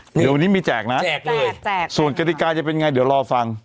เดี๋ยววันนี้มีแจกนะแจกเลยแจกส่วนกฎิกาจะเป็นไงเดี๋ยวรอฟัง